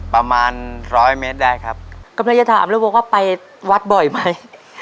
ประมาณร้อยเมตรได้ครับกำลังจะถามแล้วบอกว่าไปวัดบ่อยไหม